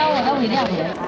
điều tâu ở đâu thì đẹp